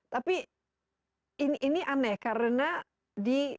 tapi ini aneh karena di